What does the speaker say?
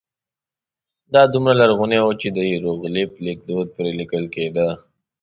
دا دومره لرغونی و چې د هېروغلیف لیکدود پرې لیکل کېده.